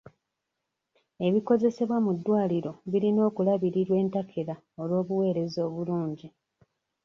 Ebikozesebwa mu ddwaliro birina okulabirirwa entakera olw'obuweereza obulungi.